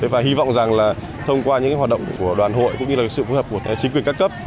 và hy vọng rằng là thông qua những hoạt động của đoàn hội cũng như là sự phối hợp của chính quyền các cấp